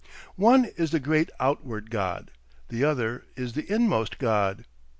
One is the great Outward God; the other is the Inmost God.